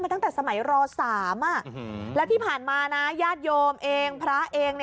ทางผู้ชมพอเห็นแบบนี้นะทางผู้ชมพอเห็นแบบนี้นะ